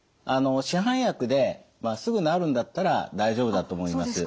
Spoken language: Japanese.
市販薬ですぐ治るんだったら大丈夫だと思います。